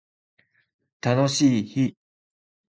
楽しい日